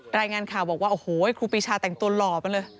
รายงานข่าวบอกว่าโอ้โหครูปีชาแต่งตัวหล่อไปเลย